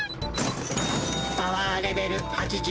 「パワーレベル８８」。